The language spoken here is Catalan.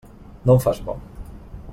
No em fas por.